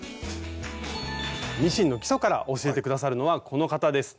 ミシンの基礎から教えて下さるのはこの方です。